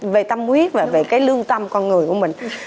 về tâm quyết và về cái lương tâm con người của mình